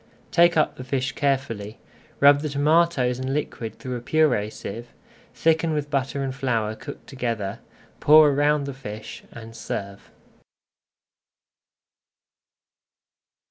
Take up the fish carefully, rub the tomatoes and liquid through a purée sieve, thicken with butter and flour cooked together, pour around the fish, and serve.